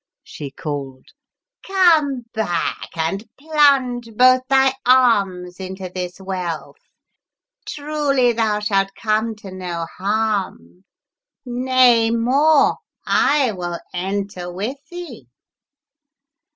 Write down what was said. " she called. " Come back and plunge both thy arms into this wealth ; truly thou shalt come to no harm — nay more, I will enter with thee!"